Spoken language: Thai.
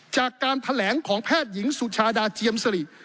จากการแถลงของแพทย์หญิงสุชาดาเจียมสริ